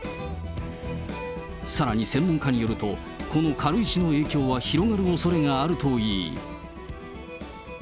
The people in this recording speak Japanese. さらに専門家によると、この軽石の影響は広がるおそれがあるといい。